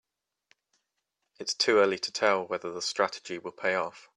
Its too early to tell whether the strategy will pay off.